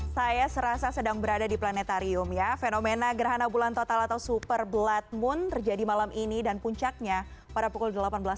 saya serasa sedang berada di planetarium ya fenomena gerhana bulan total atau super blood moon terjadi malam ini dan puncaknya pada pukul delapan belas tiga puluh